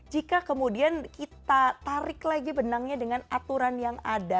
jika kemudian kita tarik lagi benangnya dengan aturan yang ada